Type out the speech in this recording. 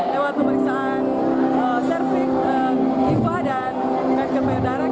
lewat pemeriksaan servik kiva dan kanker payudara